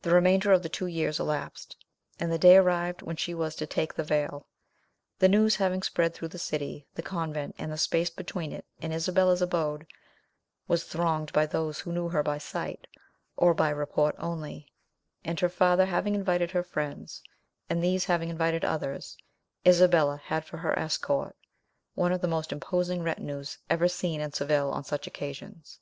The remainder of the two years elapsed, and the day arrived when she was to take the veil. The news having spread through the city, the convent, and the space between it and Isabella's abode, was thronged by those who knew her by sight, or by report only; and her father having invited her friends, and these having invited others, Isabella had for her escort one of the most imposing retinues ever seen in Seville on such occasions.